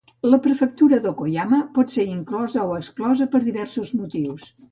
La prefectura d'Okayama pot ser inclosa o exclosa per diversos motius.